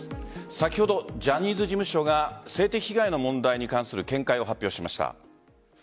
先ほど、ジャニーズ事務所が性的被害の問題に関する見解を発表しました。